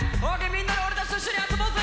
みんなで俺たちと一緒に遊ぼうぜ！